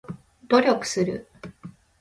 努力する